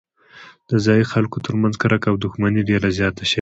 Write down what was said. د ځايي خلکو ترمنځ کرکه او دښمني ډېره زیاته شوې ده.